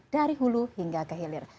dari hulu hingga ke hilir